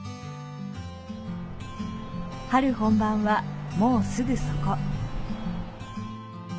春本番はもうすぐそこ。